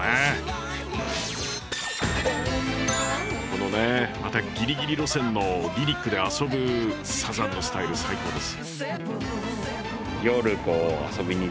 このねまたギリギリ路線のリリックで遊ぶサザンのスタイル最高です。